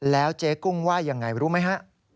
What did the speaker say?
แล้วเจ๊กุ้งว่ายังไงรู้ไหมฮะ